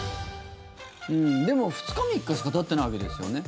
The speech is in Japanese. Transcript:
でも２日、３日しかたってないわけですよね。